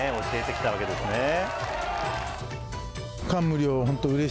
教えてきたわけですね。